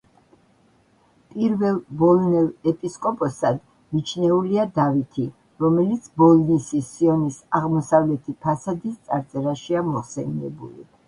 პირველ ბოლნელ ეპისკოპოსად მიჩნეულია დავითი, რომელიც ბოლნისის სიონის აღმოსავლეთი ფასადის წარწერაშია მოხსენიებული.